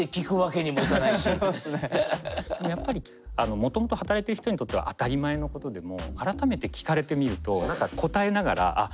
もともと働いてる人にとっては当たり前のことでも改めて聞かれてみると何か答えながらあっ